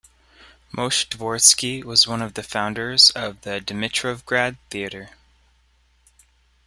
Moshe Dvoretzky was one of the founders of the Dimitrovgrad Theatre.